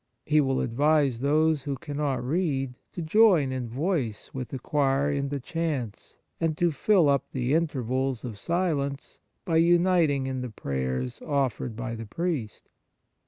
He will advise those who cannot read to join in voice with the choir in the chants, and to fill up the intervals of silence by uniting in the prayers offered by the priest.